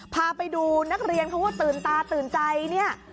พาไปดูนักเรียนเขาก็ตื่นตาตื่นใจเนี่ย